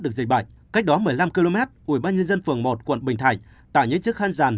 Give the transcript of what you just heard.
được dịch bệnh cách đó một mươi năm km ủy ban nhân dân phường một quận bình thạnh tạo những chiếc khăn ràn